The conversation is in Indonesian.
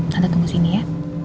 tante tunggu sini ya